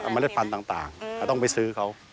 เล็ดพันธุ์ต่างก็ต้องไปซื้อเขา